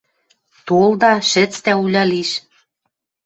Толда, шӹцдӓ уля лиш!